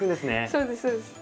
そうですそうです。